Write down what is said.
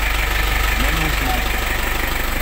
Mêmes mouvements.